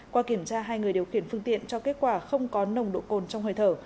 qua kiểm tra hai người điều khiển phương tiện cho kết quả không có nồng độ cồn trong hơi thở